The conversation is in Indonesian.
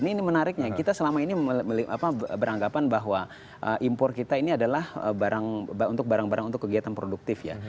ini menariknya kita selama ini beranggapan bahwa impor kita ini adalah barang barang untuk kegiatan produktif ya